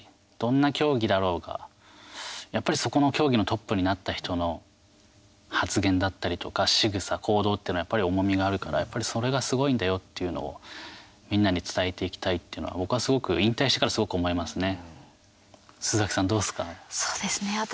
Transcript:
やっぱり、どんな競技だろうがやっぱり、その競技のトップになった人の発言だったりとかしぐさ、行動っていうやっぱり重みがあるからやっぱり、それがすごいんだよっていうのをみんなに伝えていきたいっていうのは僕はすごく引退してからすごく思いますね。